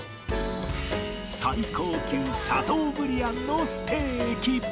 最高級シャトーブリアンのステーキ